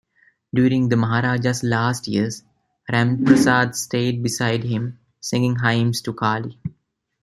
During the Maharaja's last years, Ramprasad stayed beside him, singing hymns to Kali.